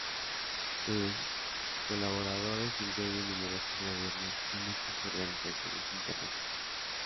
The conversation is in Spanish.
Sus colaboradores incluyen numerosos gobiernos y muchas organizaciones internacionales.